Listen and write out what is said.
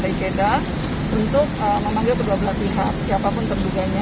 itu saja yang bisa saya sampaikan ya